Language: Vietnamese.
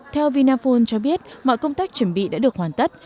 theo vinaphone cho biết mọi công tác chuẩn bị đã được hoàn tất